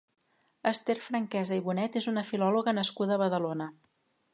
Ester Franquesa i Bonet és una filòloga nascuda a Badalona.